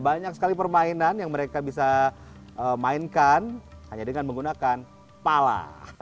banyak sekali permainan yang mereka bisa mainkan hanya dengan menggunakan pala